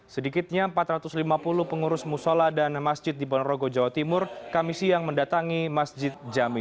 sedikitnya empat ratus lima puluh pengurus musola dan masjid di ponorogo jawa timur kami siang mendatangi masjid jami